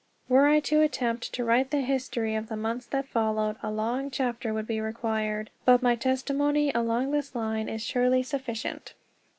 Were I to attempt to write the history of the months that followed, a long chapter would be required; but my testimony along this line is surely sufficient.